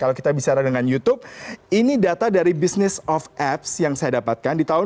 kalau kita bicara dengan youtube ini data dari business of apps yang saya dapatkan di tahun dua ribu dua puluh